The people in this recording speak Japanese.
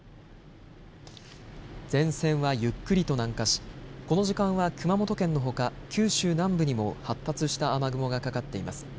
前線はゆっくりと南下しこの時間は熊本県のほか九州南部にも発達した雨雲がかかっています。